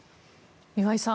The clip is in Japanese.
岩井さん